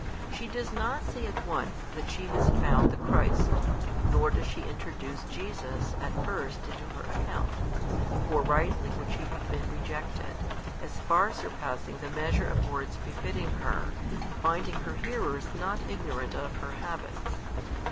She does not say at once that she has found the Christ, nor does she introduce Jesus at first into her account. For rightly would she have been rejected, as far surpassing the measure of words befitting her, finding her hearers not ignorant of her habits.